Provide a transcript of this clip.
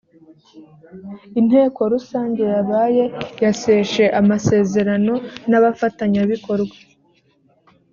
inteko rusange yabaye yaseshe amasezerano n’abafatanyabikorwa